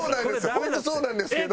本当そうなんですけど。